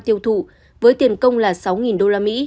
tiêu thụ với tiền công là sáu usd